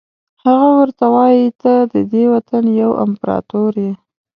هغه ورته وایي ته ددې وطن یو امپراتور یې.